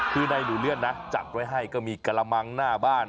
คือในหนูเลื่อนนะจัดไว้ให้ก็มีกระมังหน้าบ้าน